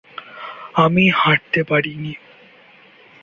আমি হাঁটতে পারিনি।